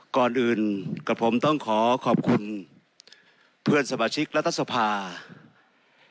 ก่อนอื่นกับผมต้องขอขอบคุณเพื่อนสมาชิกรัฐสภา